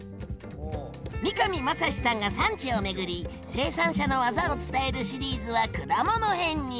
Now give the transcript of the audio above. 三上真史さんが産地を巡り生産者のわざを伝えるシリーズは果物編に！